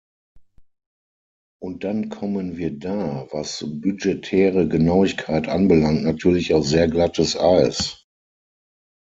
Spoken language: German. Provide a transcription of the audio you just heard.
Und dann kommen wir da, was budgetäre Genauigkeit anbelangt, natürlich auf sehr glattes Eis.